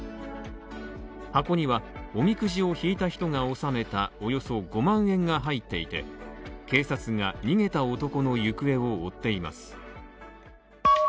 箱には、おみくじを引いた人が納めたおよそ５万円が入っていて、警察が逃げた男の行方を追っています。